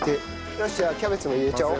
よしじゃあキャベツも入れちゃおう。